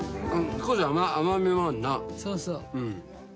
そうそう。